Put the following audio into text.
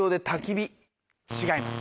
違います。